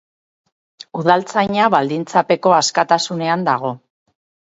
Udaltzaina baldintzapeko askatasunean dago.